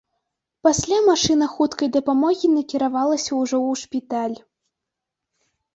Пасля машына хуткай дапамогі накіравалася ўжо ў шпіталь.